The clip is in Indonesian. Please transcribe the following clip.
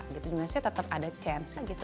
sebetulnya saya tetap ada chance